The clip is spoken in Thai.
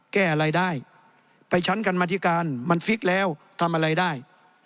แก้อะไรได้ไปชั้นกรรมธิการมันฟิกแล้วทำอะไรได้